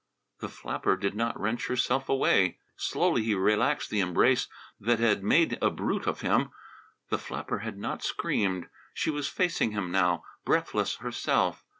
The flapper did not wrench herself away. Slowly he relaxed the embrace that had made a brute of him. The flapper had not screamed. She was facing him now, breathless herself.